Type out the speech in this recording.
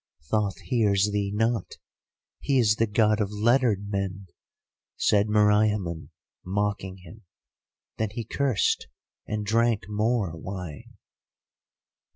"'Thoth hears thee not; he is the God of lettered men,' said Meriamun, mocking him. Then he cursed and drank more wine.